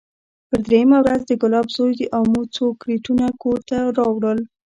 پر درېيمه ورځ د ګلاب زوى د امو څو کرېټونه کور ته راوړل.